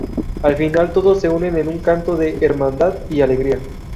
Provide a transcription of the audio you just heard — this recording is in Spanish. Al final todos se unen en un canto de hermandad y alegría.